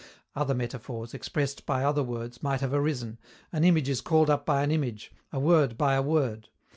Other metaphors, expressed by other words, might have arisen; an image is called up by an image, a word by a word.